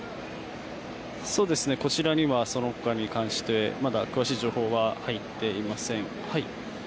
こちらにはそのほかに関して詳しい情報は入っていません。